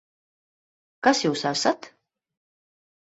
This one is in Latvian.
Kas jūs esat?